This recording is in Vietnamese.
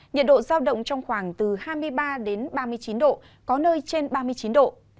nhiệt độ giao động trong khoảng từ hai mươi ba đến ba mươi chín độ có nơi trên ba mươi chín độ